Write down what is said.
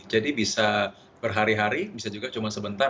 jadi bisa berhari hari bisa juga cuma sebentar